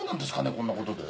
こんなことで。